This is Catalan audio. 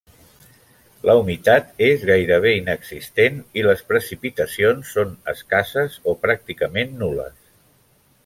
La humitat és gairebé inexistent, i les precipitacions són escasses o pràcticament nul·les.